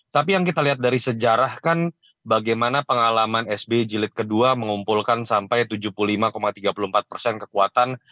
tapi yang kita lihat dari sejarah kan bagaimana pengalaman sby jilid ii mengumpulkan sampai tujuh puluh lima tiga puluh empat persen kekuatan